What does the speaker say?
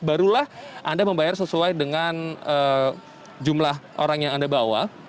barulah anda membayar sesuai dengan jumlah orang yang anda bawa